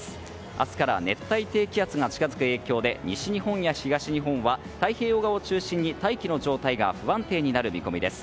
明日から熱帯低気圧が近づく影響で西日本や東日本は太平洋側を中心に大気の状態が不安定になる見込みです。